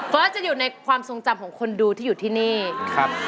จะอยู่ในความทรงจำของคนดูที่อยู่ที่นี่ครับ